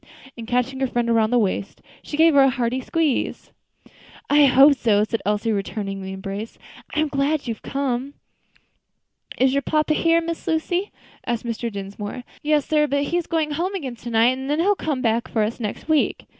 and, catching her friend round the waist, she gave her a hearty squeeze. "I hope so," said Elsie, returning the embrace. "I am glad you have come." "Is your papa here, Miss Lucy?" asked Mr. Dinsmore. "Yes, sir; but he's going home again to night, and then he'll come back for us next week."